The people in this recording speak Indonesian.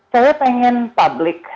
saya pengen publik